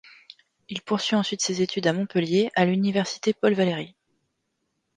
Il poursuit ensuite ses études à Montpellier, à l'Université Paul Valéry.